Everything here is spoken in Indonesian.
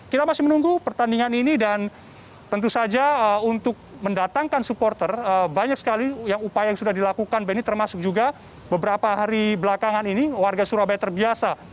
kita masih menunggu pertandingan ini dan tentu saja untuk mendatangkan supporter banyak sekali yang upaya yang sudah dilakukan benny termasuk juga beberapa hari belakangan ini warga surabaya terbiasa